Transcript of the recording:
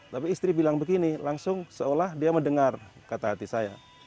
tapi istri bilang begini langsung seolah dia mendengar kata hati saya